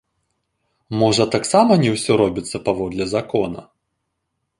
Можа, таксама не ўсё робіцца паводле закона?